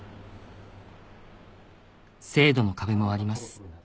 制度の壁もあります